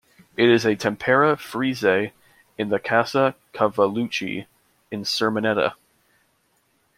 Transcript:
It is a tempera frieze in the Casa Cavallucci in Sermoneta.